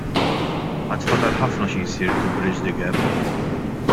Għad fadal ħafna xi jsir to bridge the gap.